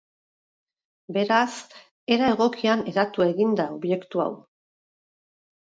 Beraz, era egokian hedatu egin da objektu hau.